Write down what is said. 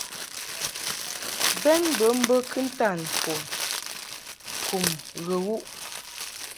Bɛn bə mbə kɨntan mfon kum ghə wuʼ.